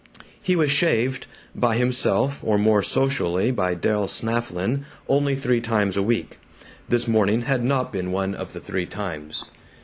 He was shaved (by himself or more socially by Del Snafflin) only three times a week. This morning had not been one of the three times.